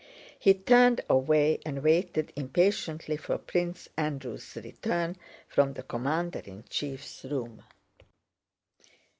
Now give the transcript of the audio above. He turned away and waited impatiently for Prince Andrew's return from the commander in chief's room.